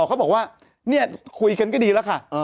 เค้าบอกว่าพูดกันก็ดีอะค่ะ